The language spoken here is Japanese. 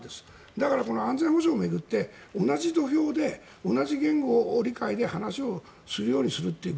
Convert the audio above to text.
だから、安全保障を巡って同じ土俵で同じ言語を理解で話をするようにするという。